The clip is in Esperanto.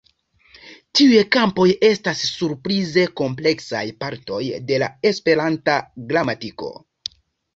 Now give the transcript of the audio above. Tiuj kampoj estas surprize kompleksaj partoj de la Esperanta gramatiko.